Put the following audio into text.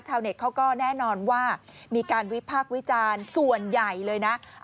เน็ตเขาก็แน่นอนว่ามีการวิพากษ์วิจารณ์ส่วนใหญ่เลยนะ